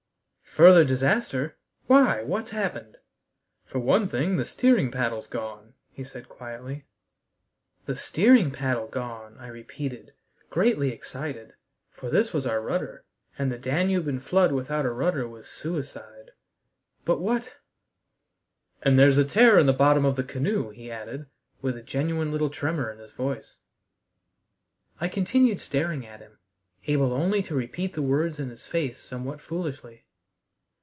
"Further disaster! Why, what's happened?" "For one thing the steering paddle's gone," he said quietly. "The steering paddle gone!" I repeated, greatly excited, for this was our rudder, and the Danube in flood without a rudder was suicide. "But what " "And there's a tear in the bottom of the canoe," he added, with a genuine little tremor in his voice. I continued staring at him, able only to repeat the words in his face somewhat foolishly.